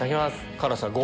辛さ５。